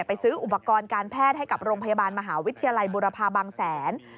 ไปซื้ออุปกรณ์การแพทย์ให้กับโรงพยาบาลมหาวิทยาลัยบุรพาบางแสน